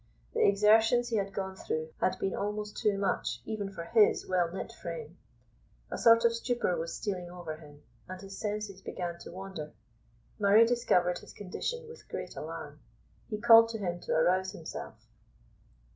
The exertions he had gone through had been almost too much even for his well knit frame; a sort of stupor was stealing over him, and his senses began to wander. Murray discovered his condition with great alarm. He called to him to arouse himself.